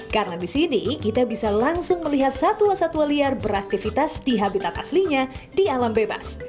karena di sini kita bisa langsung melihat satwa satwa liar beraktifitas di habitat aslinya di alam bebas